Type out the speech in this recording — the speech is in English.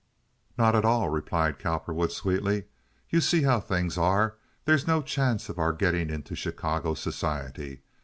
"Not at all," replied Cowperwood, sweetly. "You see how things are. There's no chance of our getting into Chicago society.